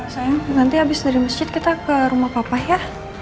sayang nanti habis dari masjid kita ke rumah papa ya